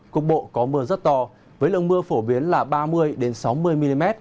cục bộ có mưa rất to với lượng mưa phổ biến là ba mươi sáu mươi mm